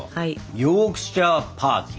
ヨークシャー・パーキン。